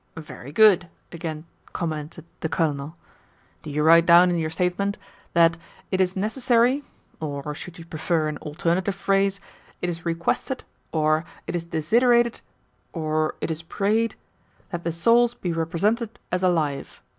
"Very good," again commented the Colonel. "Do you write down in your Statement that 'it is necessary' (or, should you prefer an alternative phrase, 'it is requested,' or 'it is desiderated,' or 'it is prayed,') 'that the souls be represented as alive.